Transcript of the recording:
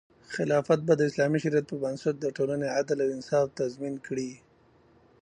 خلافت به د اسلامي شریعت په بنسټ د ټولنې عدل او انصاف تضمین کړي.